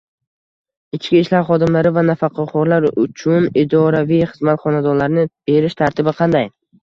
Ichki ishlar xodimlari va nafaqaxo‘rlar uchun idoraviy xizmat xonadonlarini berish tartibi qanday?